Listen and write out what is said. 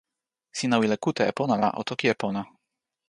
sina wile kute e pona la o toki e pona.